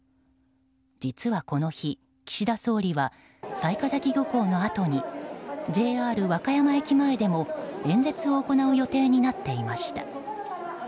実はこの日、岸田総理は雑賀崎漁港のあとにＪＲ和歌山駅前でも演説を行う予定になっていました。